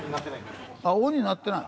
あっオンになってない？